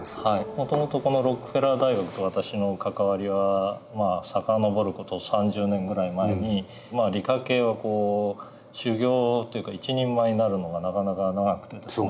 もともとこのロックフェラー大学と私の関わりは遡る事３０年ぐらい前に理科系は修業というか一人前になるのがなかなか長くてですね。